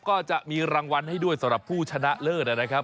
ก็จะมีรางวัลให้ด้วยสำหรับผู้ชนะเลิศนะครับ